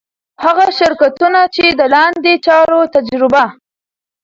هغه شرکتونه چي د لاندي چارو تجربه